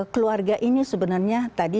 keluarga ini sebenarnya tadi